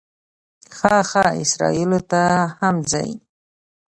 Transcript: ښه ښه، اسرائیلو ته هم ځې.